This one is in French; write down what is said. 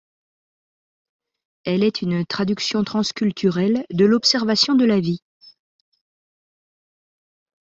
Elle est une traduction transculturelle de l'observation de la vie.